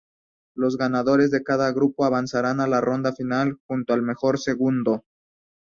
Los ganadores de cada grupo avanzarán a la ronda final, junto al mejor segundo.